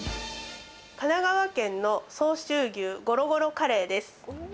神奈川県の相州牛ゴロゴロカレーです。